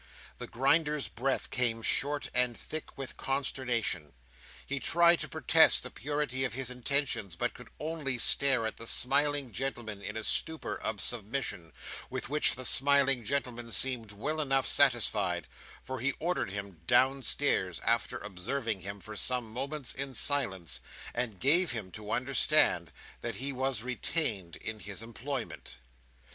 The Grinder's breath came short and thick with consternation. He tried to protest the purity of his intentions, but could only stare at the smiling gentleman in a stupor of submission, with which the smiling gentleman seemed well enough satisfied, for he ordered him downstairs, after observing him for some moments in silence, and gave him to understand that he was retained in his employment.